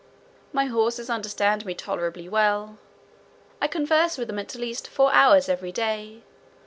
My horses understand me tolerably well; I converse with them at least four hours every day.